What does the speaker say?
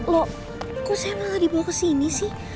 lo kok saya malah dibawa kesini sih